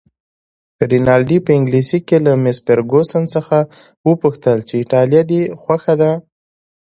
رینالډي په انګلیسي کې له مس فرګوسن څخه وپوښتل چې ایټالیه دې خوښه ده؟